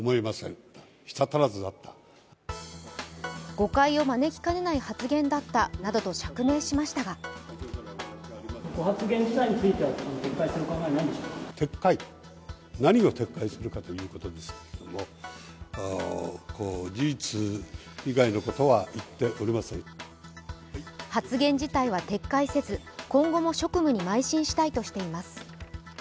誤解を招きかねない発言だったなどと釈明しましたが発言自体は撤回せず今後も職務にまい進したいとしています。